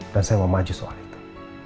dan saya mau maju soal itu